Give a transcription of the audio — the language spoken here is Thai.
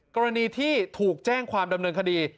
กรณีที่ถูกแจ้งความดำเนินคดี